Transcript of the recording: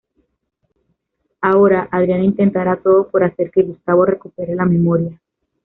Ahora, Adriana intentará todo por hacer que Gustavo recupere la memoria.